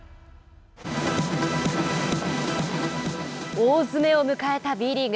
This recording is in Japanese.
大詰めを迎えたＢリーグ。